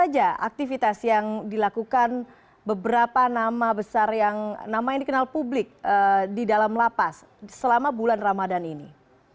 apa saja aktivitas yang dilakukan beberapa nama besar yang nama yang dikenal publik di dalam lapas selama bulan ramadan ini